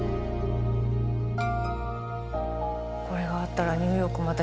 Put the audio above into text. これがあったらニューヨークまた